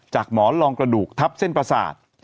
หมอนรองกระดูกทับเส้นประสาท